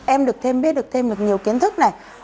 em được thêm biết được thêm được nhiều kiến thức này